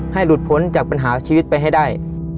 ให้หลุดพ้นจากปัญหาชีวิตไปให้ได้